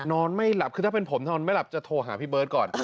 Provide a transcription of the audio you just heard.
นอนไม่หลับคือถ้าเป็นผมนอนไม่หลับจะโทรหาพี่เบิร์ตก่อน